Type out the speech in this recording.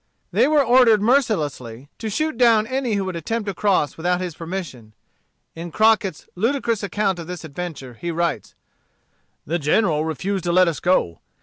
They were ordered mercilessly to shoot down any who should attempt to cross without his permission. In Crockett's ludicrous account of this adventure, he writes: "The General refused to let us go.